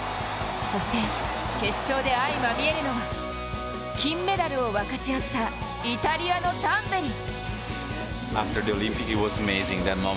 そして決勝で相まみえるのは金メダルを分かち合ったイタリアのタンベリ。